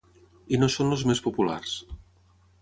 I no són els més populars.